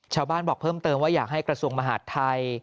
ชาวบ้านบอกเพิ่มเติมว่าอยากให้กระทรวงมหาธัย